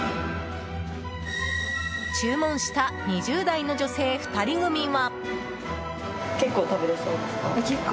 注文した２０代の女性２人組は。